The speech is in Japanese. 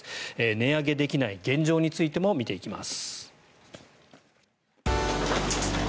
値上げできない現状についても見ていきます。